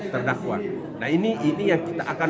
terdakwa nah ini yang kita akan